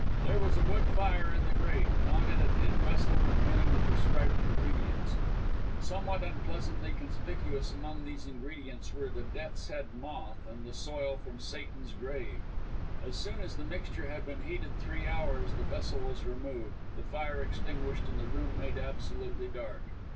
There was a wood fire in the grate, and on it a tin vessel containing the prescribed ingredients. Somewhat unpleasantly conspicuous amongst these ingredients were the death's head moth, and the soil from Satan's grave. As soon as the mixture had been heated three hours, the vessel was removed, the fire extinguished, and the room made absolutely dark.